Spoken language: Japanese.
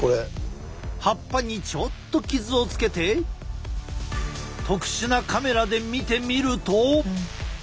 葉っぱにちょっと傷をつけて特殊なカメラで見てみると。